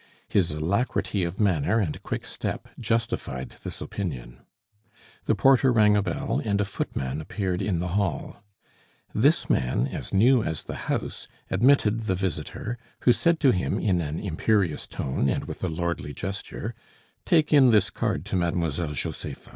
His alacrity of manner and quick step justified this opinion. The porter rang a bell, and a footman appeared in the hall. This man, as new as the house, admitted the visitor, who said to him in an imperious tone, and with a lordly gesture: "Take in this card to Mademoiselle Josepha."